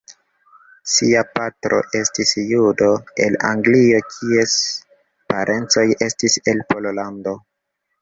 Sia patro estis judo el Anglio kies parencoj estis el Pollando.